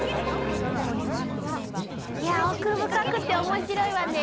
いやぁ奥深くて面白いわね。